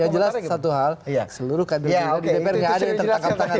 yang jelas satu hal seluruh kpu di dpr gak ada yang tetap tangan dalam kpk